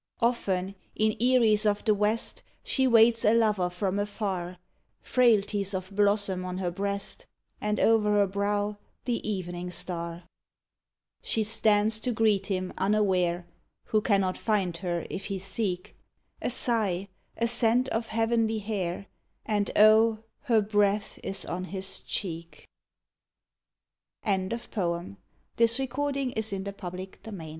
115 WHIfE MAGIC Often, in eyries of the West, She waits a lover from afar — Frailties of blossom on her breast And o'er her brow the evening star. She stands to greet him unaware, Who cannot find her if he seek: A sigh, a scent of heavenly hair — And oh, her breath is on his cheek I 116 THREE